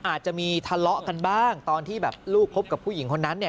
อาจจะมีทะเลาะกันบ้างตอนที่แบบลูกคบกับผู้หญิงคนนั้นเนี่ย